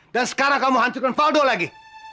sekarang kamu hancurkan faldo lagi